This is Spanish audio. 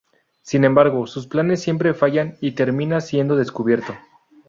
Sin embargo, sus planes siempre fallan y termina siendo descubierto.